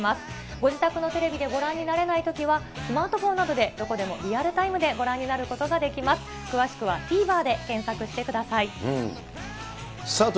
ご自宅のテレビでご覧になれないときは、スマートフォンなどで、どこでもリアルタイムでご覧になることができます。詳しくはＴＶｅｒで検索してください。